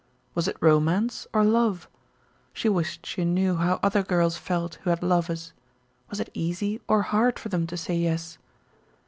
Was it romance or love? She wished she knew how other girls felt who had lovers. Was it easy or hard for them to say yes?